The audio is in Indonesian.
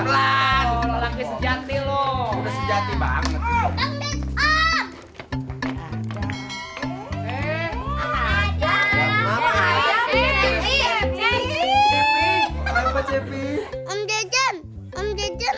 laki laki sejati loh sejati banget eh apa aja tapi tapi om jajan om jajan